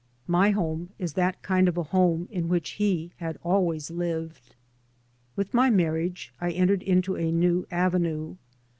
My home is that kind of a home in which he has always lived. With my marriage I entered into a new avenue.